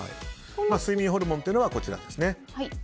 睡眠ホルモンというのはこちらですね。